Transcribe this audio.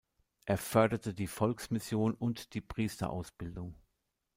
Er förderte die Volksmission und die Priesterausbildung.